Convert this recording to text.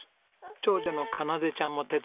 長女の花奏ちゃんも手伝いますよ。